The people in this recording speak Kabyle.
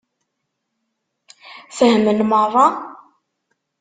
Fehmen meṛṛa?